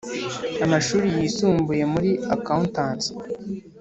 amashuri yisumbuye muri Accountancy